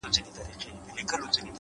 ساده ژوند ژوره خوښي لري’